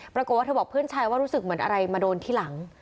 ปรากฏว่าเธอบอกเพื่อนชายว่ารู้สึกเหมือนอะไรมาโดนที่หลัง